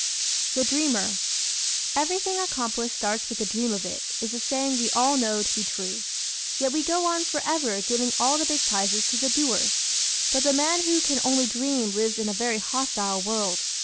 The Dreamer ¶ "Everything accomplished starts with the dream of it," is a saying we all know to be true. Yet we go on forever giving all the big prizes to the doers. But the man who can only dream lives in a very hostile world.